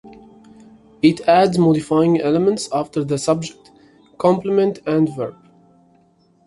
It adds modifying elements after the subject, complement, and verb.